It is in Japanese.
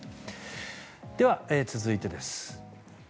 では、続いてです。